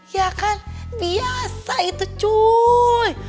ya kan biasa itu cuy